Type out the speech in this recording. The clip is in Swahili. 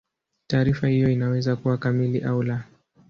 Taarifa hiyo inaweza kuwa kamili au la.